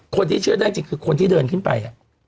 คนที่เชื่อได้จริงคือคนที่เดินขึ้นไป